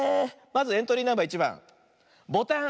まずエントリーナンバー１ばんボタン。